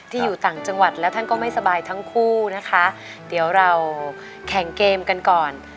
อยู่ต่างจังหวัดแล้วท่านก็ไม่สบายทั้งคู่นะคะเดี๋ยวเราแข่งเกมกันก่อน